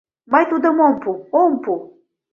— Мый тудым ом пу, ом пу...